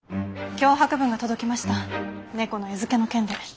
脅迫文が届きました猫の餌付けの件で。